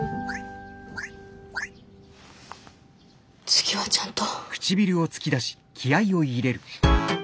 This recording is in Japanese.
次はちゃんと。